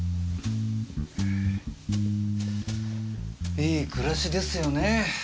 いい暮らしですよね。